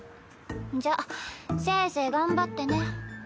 じゃあせいぜい頑張ってね。